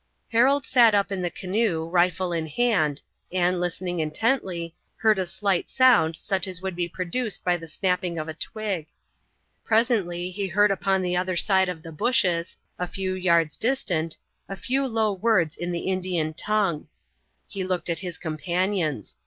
Harold sat up in the canoe, rifle in hand, and, listening intently, heard a slight sound such as would be produced by the snapping of a twig. Presently he heard upon the other side of the bushes, a few yards distant, a few low words in the Indian tongue. He looked at his companions.